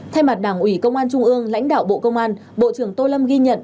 thay mặt đảng ủy công an trung ương lãnh đạo bộ công an bộ trưởng tô lâm ghi nhận